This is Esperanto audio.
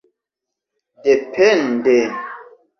depende